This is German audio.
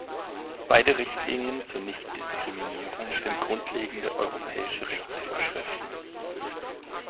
Beide Richtlinien zur Nichtdiskriminierung sind grundlegende europäische Rechtsvorschriften.